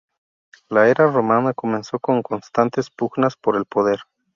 La era romana comenzó con constantes pugnas por el poder.